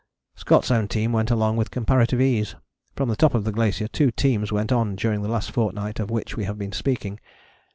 Scott's own team went along with comparative ease. From the top of the glacier two teams went on during the last fortnight of which we have been speaking.